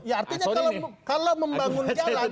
ya artinya kalau membangun jalan